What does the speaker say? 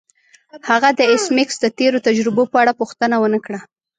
هغه د ایس میکس د تیرو تجربو په اړه پوښتنه ونه کړه